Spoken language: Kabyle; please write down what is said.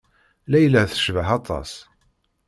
Layla tecbeḥ aṭas.